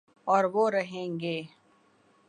اوروہ رہیں گے۔